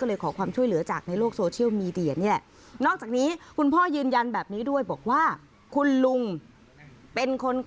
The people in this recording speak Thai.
ก็เลยขอความช่วยเหลือจากในโลกโซเชียลมีเดียนี่แหละ